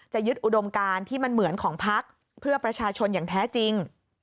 ยึดอุดมการที่มันเหมือนของพักเพื่อประชาชนอย่างแท้จริง